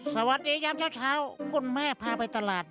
สวัสดียามเช้าคุณแม่พาไปตลาด